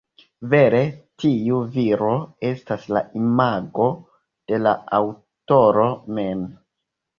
Vere tiu viro estas la imago de la aŭtoro mem.